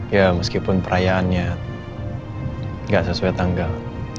ya meskipun perayaannya nggak sesuai tanggal